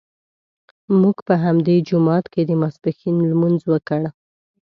موږ په همدې جومات کې د ماسپښین لمونځ وکړ.